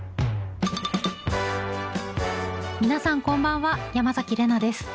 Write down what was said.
皆さんこんばんは山崎怜奈です。